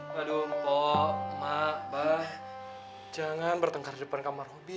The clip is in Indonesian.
padahal mak mbak jangan bertengkar di depan kamar robi